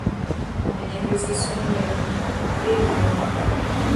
Мяне грызлі сумневы, але я верыў.